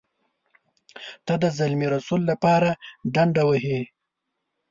ته د زلمي رسول لپاره ډنډه وهې.